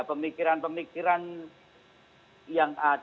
pemikiran pemikiran yang ada